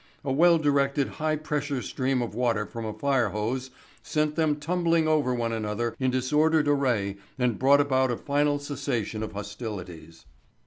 A well directed high pressure stream of water from a fire hose sent them tumbling over one another in disordered array and brought about a final cessation of hostilities.